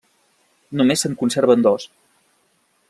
Només se'n conserven dos.